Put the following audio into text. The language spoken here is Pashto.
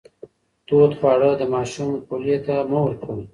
تود خواړه د ماشوم خولې ته مه ورکوئ.